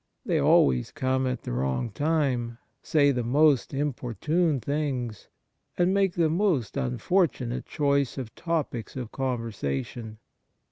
They always come at the wrong time, say the most inopportune things, and make the most unfortunate choice of topics of conversation.